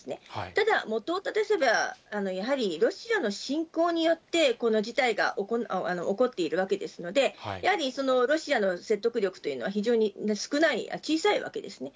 ただ、もとをただせば、やはりロシアの侵攻によって、この事態が起こっているわけですので、やはりロシアの説得力というのは非常に小さいわけですね。